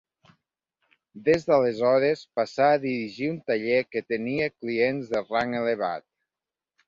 Des d'aleshores, passà a dirigir un taller que tenia clients de rang elevat.